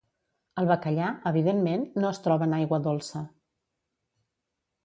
El bacallà, evidentment, no es troba en aigua dolça.